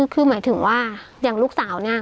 คือหมายถึงว่าอย่างลูกสาวเนี่ย